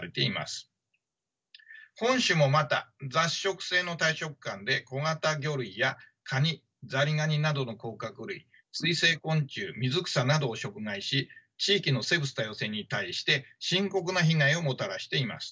本種もまた雑食性の大食漢で小型魚類やカニザリガニなどの甲殻類水生昆虫水草などを食害し地域の生物多様性に対して深刻な被害をもたらしています。